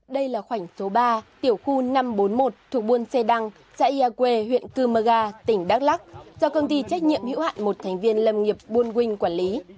đây là khoảnh số ba tiểu khu năm trăm bốn mươi một thuộc buôn xe đăng xã ia que huyện cư mơ ga tỉnh đắk lắc do công ty trách nhiệm hữu hạn một thành viên lâm nghiệp buôn quynh quản lý